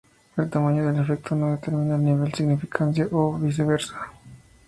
El tamaño del efecto no determina el nivel de significancia, o vice-versa.